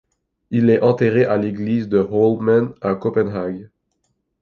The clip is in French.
Il est enterré à l'église de Holmen, à Copenhague.